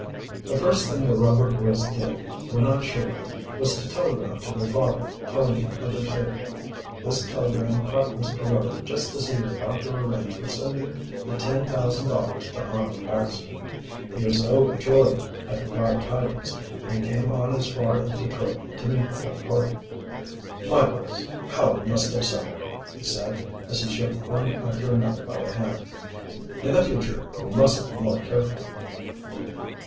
The first thing the Rover boys did when on shore was to telegraph to their father, telling him of their safety. This telegram caught Mr. Rover just as he was about to arrange for sending the ten thousand dollars to Arnold Baxter. He was overjoyed at the glad tidings, and came on as far as Detroit to meet the whole party. "My boys, how you must have suffered!" he said, as he shook one after another by the hand. "In the future you must be more careful!"